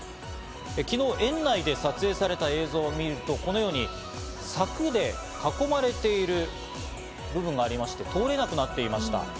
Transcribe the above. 昨日、園内で撮影された映像を見ると、このように柵で囲まれている部分がありまして、通れなくなっていました。